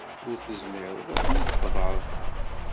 Ur tezmireḍ ad ten-id-tqeḍɛeḍ.